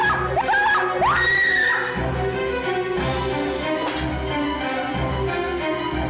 kamu jangan macem macem sama saya